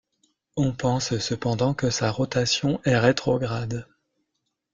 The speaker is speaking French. On pense cependant que sa rotation est rétrograde.